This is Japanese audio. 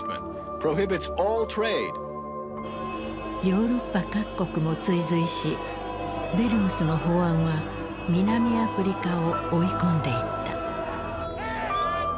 ヨーロッパ各国も追随しデルムスの法案は南アフリカを追い込んでいった。